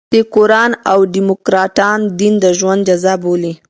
سیکواران او ډيموکراټان دین د ژوند جزء بولي.